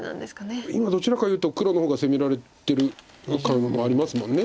今どちらかいうと黒の方が攻められてる感もありますもんね。